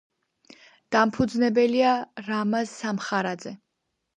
დამფუძნებელია რამაზ სამხარაძე.